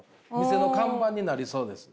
店の看板になりそうです。